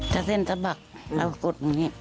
ถ้าเส้นสลักเราก็กดตรงนี้